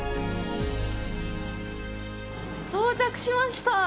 到着しました。